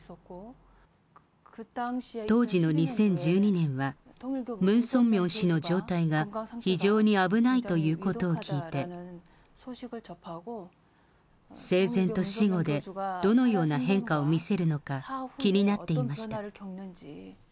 当時の２０１２年は、ムン・ソンミョン氏の状態が非常に危ないということを聞いて、生前と死後で、どのような変化を見せるのか、気になっていました。